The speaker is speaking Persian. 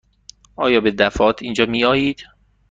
آیا به دفعات اینجا می آیید؟